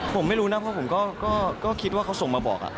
ผมไม่รู้นะเพราะผมก็คิดว่าเขาส่งมาบอก